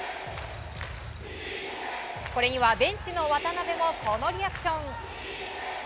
これにはベンチの渡邊もあのリアクション。